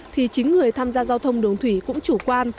thì chính người tham gia giao thông đường thủy cũng chủ quan